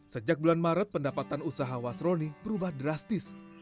sejak bulan maret pendapatan usaha wasroni berubah drastis